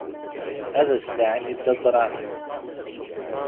Ad s-laɛin i Dda Brahem.